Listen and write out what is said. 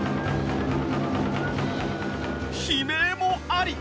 悲鳴もあり。